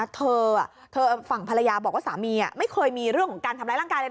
เธอฝั่งภรรยาบอกว่าสามีไม่เคยมีเรื่องของการทำร้ายร่างกายเลย